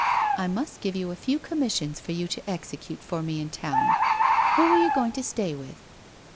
I must give you a few commissions for you to execute for me in town. Who are you going to stay with